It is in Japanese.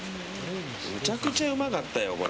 めちゃくちゃうまかったよ、これ。